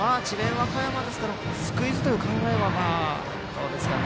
和歌山ですからスクイズという考えはどうですか。